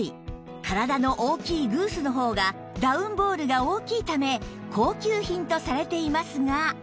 体の大きいグースの方がダウンボールが大きいため高級品とされていますが